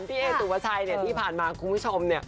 พี่เอสุภาชัยที่ผ่านมาคุณผู้ชม